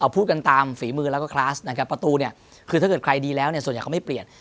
ประตูนี้คือถ้าเกิดใครดีแล้วส่วนใหญ่เขาไม่เปลี่ยน